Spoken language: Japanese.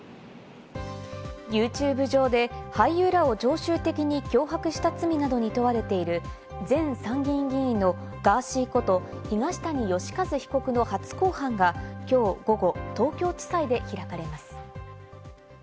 ユーチューブ上で俳優らを常習的に脅迫した罪などに問われている、前参議院議員のガーシーこと、東谷義和被告の初公判がきょう午後、東京地裁で開かれます。